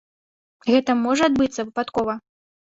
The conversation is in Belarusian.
Гэта можа адбыцца выпадкова?